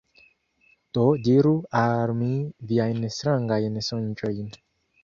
Do diru al mi viajn strangajn sonĝojn.